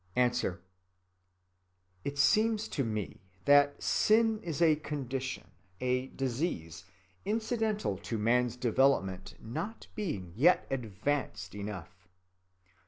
_ A. It seems to me that sin is a condition, a disease, incidental to man's development not being yet advanced enough.